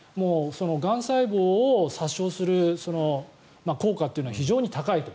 がん細胞を殺傷する効果というのは非常に高いと。